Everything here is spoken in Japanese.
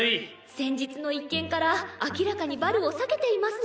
先日の一件から明らかにバルを避けていますね。